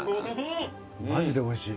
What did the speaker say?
マジで美味しい。